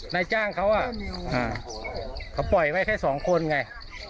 นายจ้างเขาเขาปล่อยไว้แค่สองคนไง